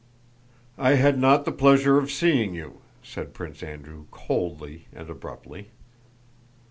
"I had not the pleasure of seeing you," said Prince Andrew, coldly and abruptly.